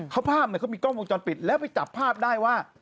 เขาภาพเนี่ยเขามีกล้องวงจรปิดแล้วไปจับภาพได้ว่า